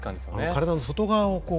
体の外側をこう。